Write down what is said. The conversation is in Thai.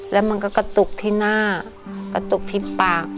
แล้วมันก็กระตุกที่หน้ากระตุกที่ปาก